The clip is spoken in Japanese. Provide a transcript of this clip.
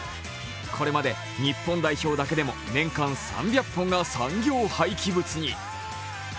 これまで日本代表だけでも年間３００本が産業廃棄物に。